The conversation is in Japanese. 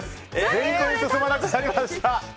全然進まなくなりました。